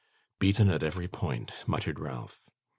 'Beaten at every point!' muttered Ralph.